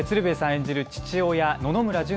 演じる父親・野々村純